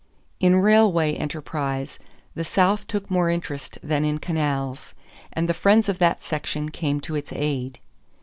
In railway enterprise the South took more interest than in canals, and the friends of that section came to its aid.